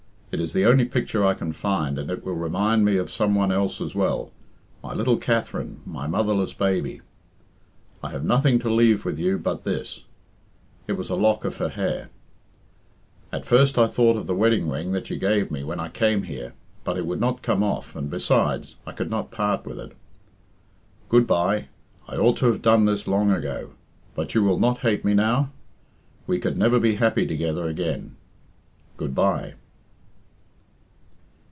It is the only picture I can find, and it will remind me of some one else as well my little Katherine, my motherless baby. "I have nothing to leave with you but this (it was a lock of her hair). At first I thought of the wedding ring that you gave me when I came here, but it would not come off, and besides, I could not part with it. "Good bye! I ought to have done this long ago. But you will not hate me now? We could never be happy together again. Good bye!"